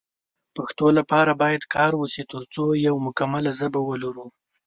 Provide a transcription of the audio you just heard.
پښتو لپاره باید کار وشی ترڅو یو مکمله ژبه ولرو